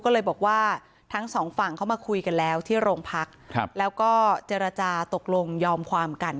ก็เลยบอกว่าทั้งสองฝั่งเข้ามาคุยกันแล้วที่โรงพักแล้วก็เจรจาตกลงยอมความกัน